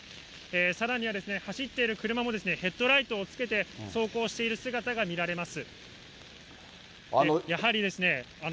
さらには走っている車もヘッドライトをつけて走行している姿が見られます。